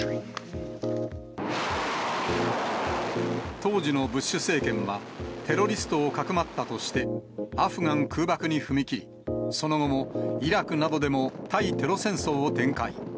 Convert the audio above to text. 当時のブッシュ政権は、テロリストをかくまったとして、アフガン空爆に踏み切り、その後もイラクなどでも対テロ戦争を展開。